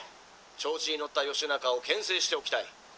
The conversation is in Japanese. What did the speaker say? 調子に乗った義仲を牽制しておきたい。